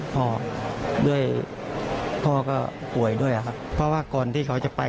พ่อด้วยพ่อก็ป่วยด้วยครับเพราะว่าก่อนที่เขาจะไป